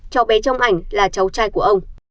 cháu bé trong ảnh là cháu trai của ông